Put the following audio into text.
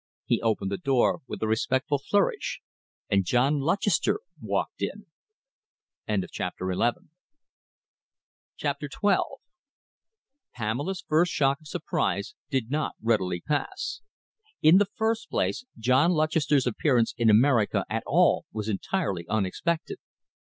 He opened the door with a respectful flourish and John Lutchester walked in. CHAPTER XII Pamela's first shock of surprise did not readily pass. In the first place, John Lutchester's appearance in America at all was entirely unexpected.